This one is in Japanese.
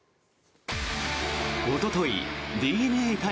おとといＤｅＮＡ対